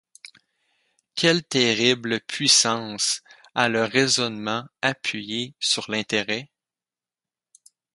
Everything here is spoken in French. Quelle terrible puissance a le raisonnement appuyé sur l’intérêt?